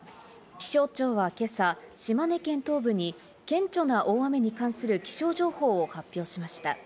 気象庁は今朝、島根県東部に顕著な大雨に関する気象情報を発表しました。